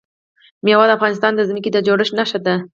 مېوې د افغانستان د ځمکې د جوړښت نښه ده.